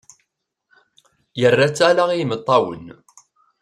Yerra-tt ala i imeṭṭawen.